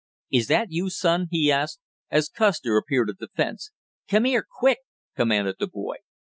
"Is that you, son?" he asked, as Custer appeared at the fence. "Come here, quick!" commanded the boy.